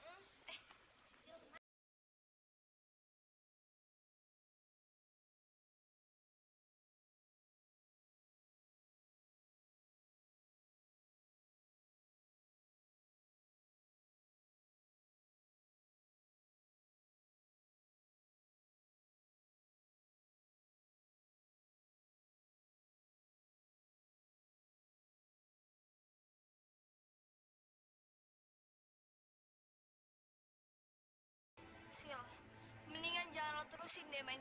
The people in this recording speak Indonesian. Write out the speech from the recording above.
jalan kung jalan se di sini ada pesta besar besaran